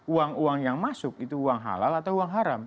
uang uang yang masuk itu uang halal atau uang haram